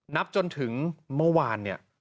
นับจนถึงเมื่อวานเนี่ย